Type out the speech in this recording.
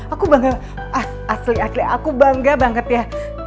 aku bangga asli asli aku bangga banget ya